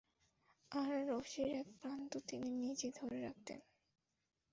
আর রশির এক প্রান্ত তিনি নিজে ধরে রাখতেন।